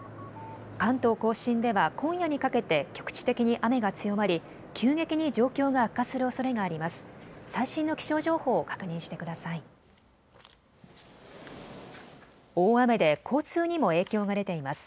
関東甲信では今夜にかけて局地的に雨が強まり急激に状況が悪化するおそれがあります。